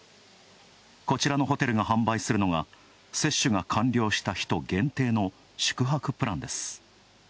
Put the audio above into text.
こちらのホテルが販売するのが接種が完了した人限定の宿泊プランです。